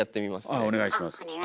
あっお願いします。